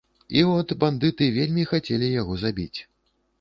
І от бандыты вельмі хацелі яго забіць.